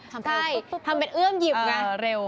ทำไปเอื้อมหยิบนะเร็ว